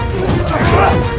ketika kanda menang kanda menang